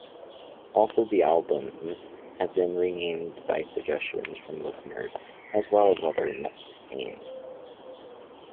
Also the albums have been renamed by suggestions from listeners as well other means.